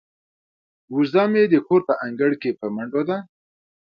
وزه مې د کور په انګړ کې په منډو ده.